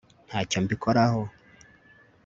ntacyo mbikoraho